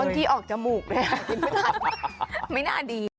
บางทีออกจมูกเลยไม่น่าดี